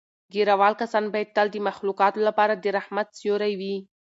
ږیره وال کسان باید تل د مخلوقاتو لپاره د رحمت سیوری وي.